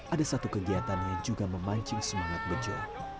ada satu kegiatan yang juga memancing semangat bejo